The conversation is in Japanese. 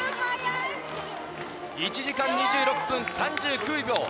１時間２６分３９秒。